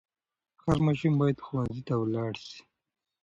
هر ماشوم باید ښوونځي ته ولاړ سي.